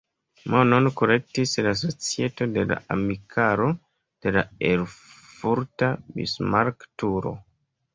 Monon kolektis la Societo de la amikaro de la erfurta Bismarck-turo.